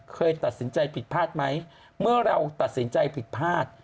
เคยตัดสินใจผิดพลาดไหมเมื่อเราตัดสินใจผิดพลาด